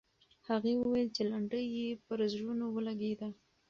هغې وویل چې لنډۍ یې پر زړونو ولګېده.